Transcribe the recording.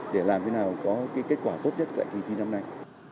để làm thế nào có kết quả tốt nhất tại kỳ thi năm nay